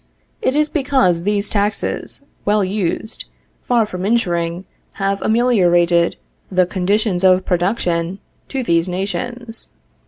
It is because these taxes, well used, far from injuring, have ameliorated the conditions of production to these nations.